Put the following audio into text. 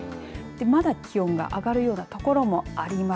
まだ気温が上がるようなところもあります。